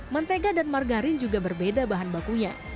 mentega dan margarin juga berbeda bahan bakunya